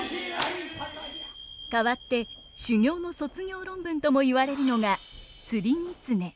かわって修業の卒業論文とも言われるのが「釣狐」。